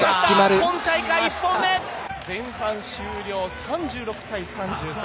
今大会１本目前半終了３６対３３。